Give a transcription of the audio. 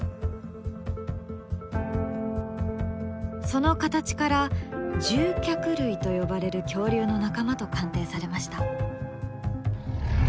その形から獣脚類と呼ばれる恐竜の仲間と鑑定されました。